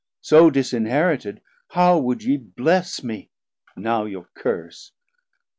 820 So disinherited how would ye bless Me now your Curse!